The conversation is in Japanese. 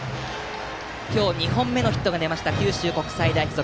今日、２本目のヒットが出ました九州国際大付属。